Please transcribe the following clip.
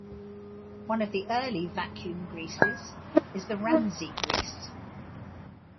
One of the early vacuum greases is the Ramsay grease.